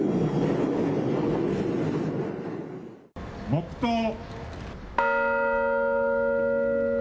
黙とう。